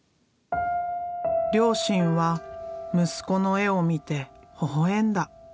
両親は息子の絵を見てほほ笑んだ。